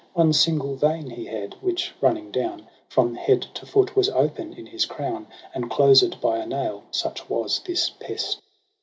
One single vein he had, which running down From head to foot was open in his crown, And closed by a nail j such was this pest.